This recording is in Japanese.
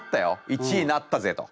１位になったぜと。